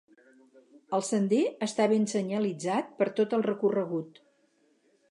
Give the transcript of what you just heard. El sender està ben senyalitzat per tot el recorregut.